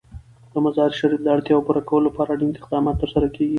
د مزارشریف د اړتیاوو پوره کولو لپاره اړین اقدامات ترسره کېږي.